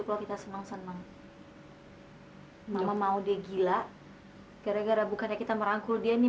kita senang senang hai mama mau deh gila gara gara bukannya kita merangkul dia nih